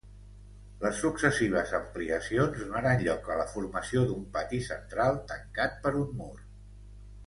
Les successives ampliacions donaren lloc a la formació d'un pati central tancat per un mur.